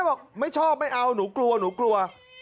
บอกไม่ชอบไม่เอาหนูกลัวหนูกลัว